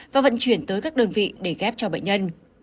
và vận chuyển tới các đơn vị để ghép cho bệnh nhân